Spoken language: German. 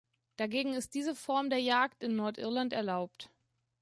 Dagegen ist diese Form der Jagd in Nordirland erlaubt.